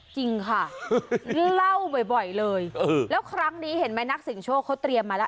จริงค่ะเล่าบ่อยเลยแล้วครั้งนี้เห็นไหมนักเสียงโชคเขาเตรียมมาแล้ว